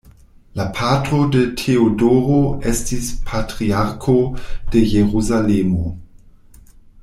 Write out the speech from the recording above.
La patro de Teodoro estis Patriarko de Jerusalemo.